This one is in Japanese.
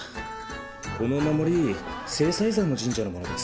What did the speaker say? このお守り西塞山の神社のものです